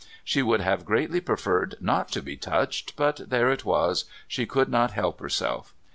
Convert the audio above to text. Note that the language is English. She would have greatly preferred not to be touched, but there it was, she could not help herself.